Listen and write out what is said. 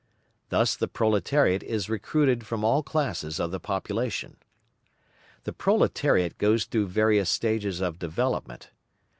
Thus the proletariat is recruited from all classes of the population. The proletariat goes through various stages of development.